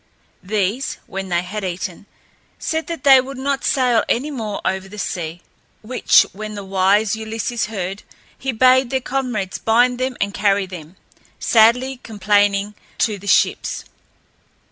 These, when they had eaten, said that they would not sail any more over the sea; which, when the wise Ulysses heard, he bade their comrades bind them and carry them, sadly complaining, to the ships.